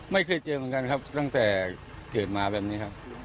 ไม่เคยเจอเหมือนกันครับตั้งแต่เกิดมาแบบนี้ครับ